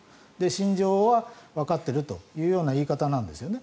信条はわかっているというような言い方なんですよね。